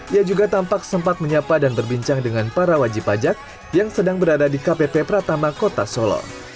ia juga tampak sempat menyapa dan berbincang dengan para wajib pajak yang sedang berada di kpp pratama kota solo